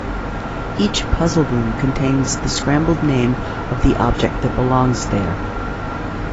Each puzzle room contains the scrambled name of the object that belongs there.